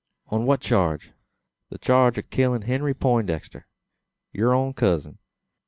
"On what charge?" "The churge o' killin' Henry Peintdexter yur own cousin."